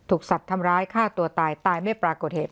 สัตว์ทำร้ายฆ่าตัวตายตายไม่ปรากฏเหตุ